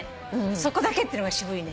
そこだけっていうのが渋いね。